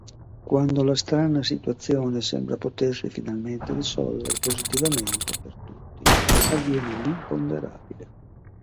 Quando la strana situazione sembra potersi finalmente risolvere positivamente per tutti, avviene l'imponderabile.